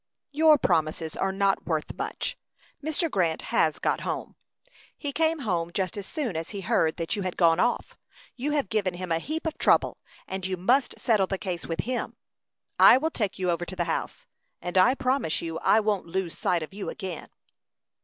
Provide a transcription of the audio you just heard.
"Your promises are not worth much. Mr. Grant has got home. He came home just as soon as he heard that you had gone off. You have given him a heap of trouble, and you must settle the case with him. I will take you over to the house, and I promise you I won't lose sight of you again."